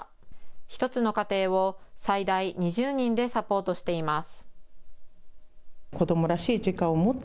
１つの家庭を最大２０人でサポートしています。